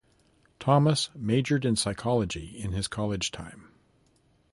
Thomas majored in psychology in his college time.